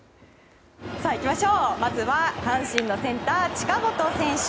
まずは阪神のセンター近本選手。